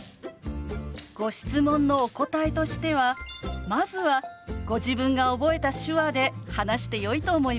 ご質問のお答えとしてはまずはご自分が覚えた手話で話してよいと思います。